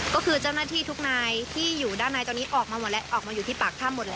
ก็คือเจ้าหน้าที่ทุกนายที่อยู่ด้านในตอนนี้ออกมาหมดแล้วออกมาอยู่ที่ปากถ้ำหมดแล้ว